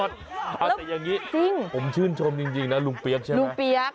แต่อย่างนี้ผมชื่นชมจริงนะลุงเปี๊ยกใช่ไหมลุงเปี๊ยก